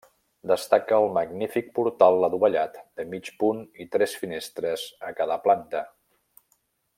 Destaca el magnífic portal adovellat de mig punt i tres finestres a cada planta.